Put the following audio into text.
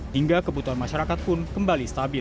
hingga kebutuhan masyarakat pun kembali stabil